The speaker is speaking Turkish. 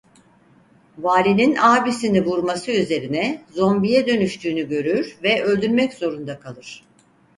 Vali'nin abisini vurması üzerine zombiye dönüştüğünü görür ve öldürmek zorunda kalır.